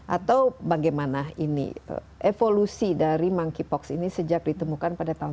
atau bagaimana ini evolusi dari monkeypox ini sejak ditemukan pada tahun dua ribu